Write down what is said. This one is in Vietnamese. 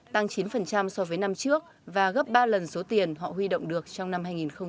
tăng chín so với năm trước và gấp ba lần số tiền họ huy động được trong năm hai nghìn một mươi chín